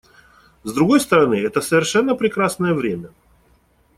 С другой стороны, это совершенно прекрасное время.